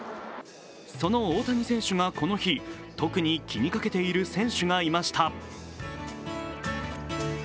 その大谷選手が、この日、特に気にかけている選手がいました。